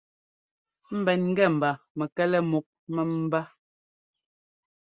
Ḿbɛn ŋ́gɛ mba mɛkɛlɛ múk mɛ́mbá.